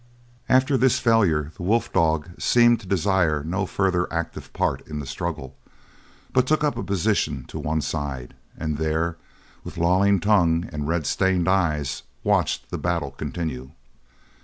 After this failure the wolf dog seemed to desire no further active part in the struggle, but took up a position to one side, and there, with lolling tongue and red stained eyes, watched the battle continue.